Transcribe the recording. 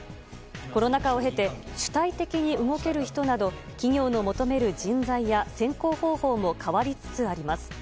コロナ禍を経て主体的に動ける人など企業の求める人材や選考方法も変わりつつあります。